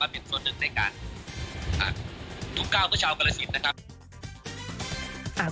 เป็นส่วนหนึ่งในการถูกก้าวเพื่อชาวกรสินนะครับ